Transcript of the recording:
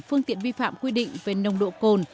phương tiện vi phạm quy định về nồng độ cồn